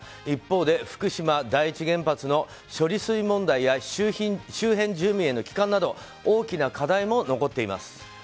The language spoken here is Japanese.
一方で福島第一原発の処理水問題や周辺住民の帰還など大きな課題も残っています。